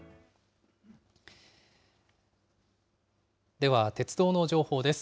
では鉄道の情報です。